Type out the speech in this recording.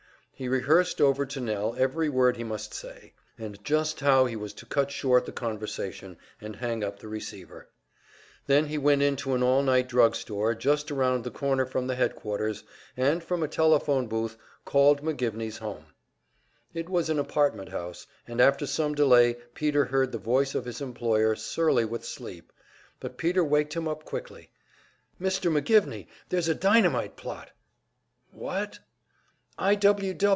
He rehearsed over to Nell every word he must say, and just how he was to cut short the conversation and hang up the receiver. Then he went into an all night drug store just around the corner from the headquarters, and from a telephone booth called McGivney's home. It was an apartment house, and after some delay Peter heard the voice of his employer, surly with sleep. But Peter waked him up quickly. "Mr. McGivney, there's a dynamite plot!" "What?" "I.